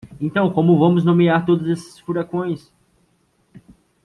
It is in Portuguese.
Então, como vamos nomear todos esses furacões?